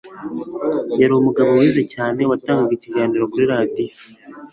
yari umugabo wize cyane watangaga ikiganiro kuri radiyo